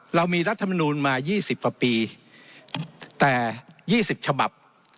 เรามีรัฐบาลมา๒๐ปีแต่๒๐ฉบับ